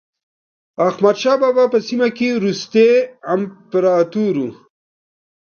احمد شاه بابا په سیمه کې وروستی امپراتور و.